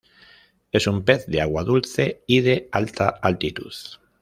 Es un pez de agua dulce y de alta altitud.